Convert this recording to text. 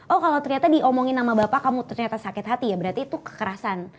oh kalau ternyata diomongin sama bapak kamu ternyata sakit hati ya berarti itu kekerasan